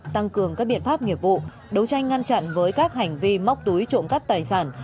tăng cường các biện pháp nghiệp vụ đấu tranh ngăn chặn với các hành vi móc túi trộm cắp tài sản